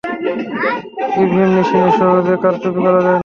EVM মেশিনে সহজে কারচুপি করা যায় না।